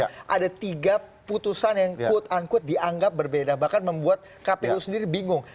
ada tiga putusan yang quote unquote dianggap berbeda bahkan membuat kpu sendiri bingung